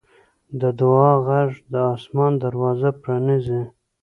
د دعا غږ د اسمان دروازه پرانیزي.